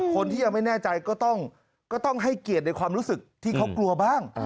คนที่ยังไม่แน่ใจก็ต้องให้เกียรติในความรู้สึกที่เขากลัวบ้าง